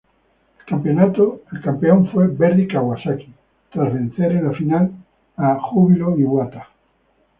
El campeón fue Verdy Kawasaki, tras vencer en la final a Júbilo Iwata.